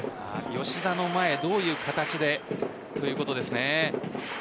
吉田の前、どういう形でということですよね。